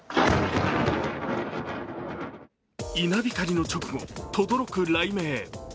稲光の直後、とどろく雷鳴。